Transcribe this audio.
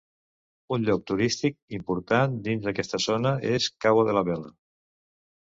Un lloc turístic important dins aquesta zona és Cabo de la Vela.